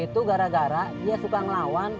itu gara gara dia suka ngelawan